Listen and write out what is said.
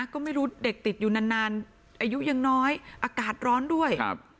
ก็ไม่รู้เด็กติดอยู่นานนานอายุยังน้อยอากาศร้อนด้วยครับ